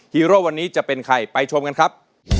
โร่วันนี้จะเป็นใครไปชมกันครับ